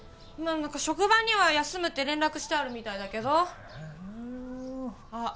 職場には休むって連絡してあるみたいだけどああ